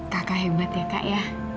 kakak hebat ya kak ya